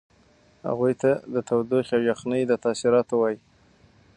هغوی ته د تودوخې او یخنۍ د تاثیراتو وایئ.